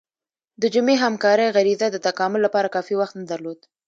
د جمعي همکارۍ غریزه د تکامل لپاره کافي وخت نه درلود.